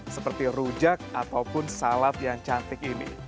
seperti rujak ataupun salad yang cantik ini